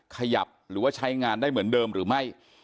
ขยับหรือว่าใช้งานได้เหมือนเดิมหรือไม่